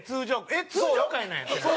えっ通常回なんや！ってなって。